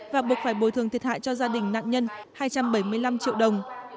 và buộc phải bồi thường thiệt hại cho gia đình nạn nhân hai trăm bảy mươi năm triệu đồng